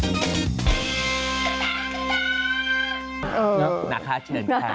เออน่าคะเชิญค่ะ